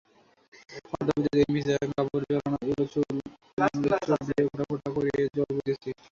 অর্ধাবৃত দেহে ভিজা কাপড় জড়ানো, এলােচুল দিয়া ফোঁটা ফোঁটা করিয়া জল পড়িতেছে।